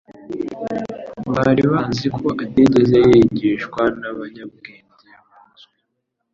Bari bazi ko atigeze yigishwa n'abanyabwenge bazwi,